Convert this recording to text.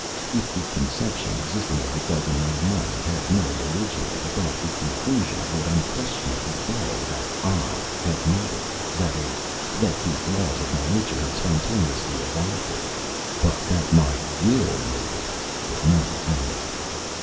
If the conception, existing as it does in my mind, had no original without, the conclusion would unquestionably follow that '1' had made it that is, that the laws of my nature had spontaneously evolved it; but that my will made it would not follow.